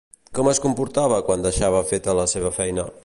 Com es comportava quan deixava feta la seva feina?